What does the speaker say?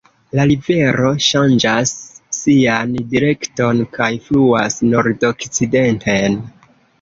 La rivero ŝanĝas sian direkton kaj fluas nordokcidenten.